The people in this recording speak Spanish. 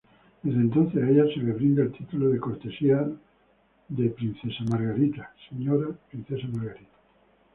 Desde entonces a ella se le brinda el título de cortesía "Princesa Margarita, Sra.